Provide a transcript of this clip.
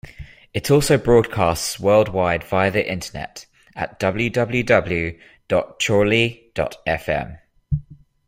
It also broadcasts worldwide via the Internet at www dot chorley dot fm.